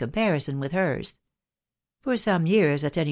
comparison with hers. For some years, at any